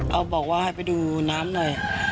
เอาบอกว่าให้ไปดูน้ำหน่อย